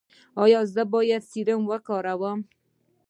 ایا زه باید سیروم ولګوم؟